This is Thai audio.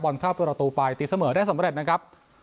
เข้าประตูไปตีเสมอได้สำเร็จนะครับ